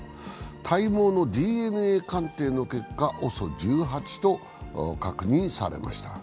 体毛のＤＮＡ鑑定の結果、ＯＳＯ１８と確認されました。